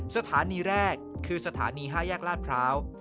สถานีแรกคือสถานี๕แยกลาดพร้าว